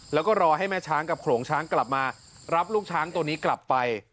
แล้วก็รอให้แม่ช้างกับโขลงช้างกลับมารับลูกช้างตัวนี้กลับไป